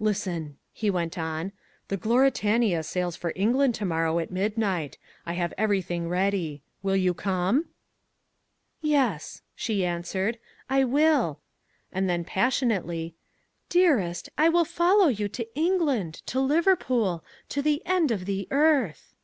"Listen," he went on, "the Gloritania sails for England to morrow at midnight. I have everything ready. Will you come?" "Yes," she answered, "I will"; and then passionately, "Dearest, I will follow you to England, to Liverpool, to the end of the earth."